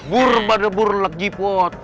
burur pada burur lagi pot